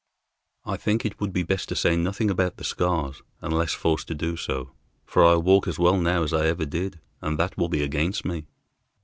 "I think it would be best to say nothing about the scars, unless forced to do so, for I walk as well now as I ever did, and that will be against me."